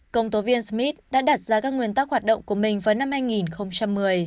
công tố viên smith đã đặt ra các nguyên tắc hoạt động của mình vào năm hai nghìn một mươi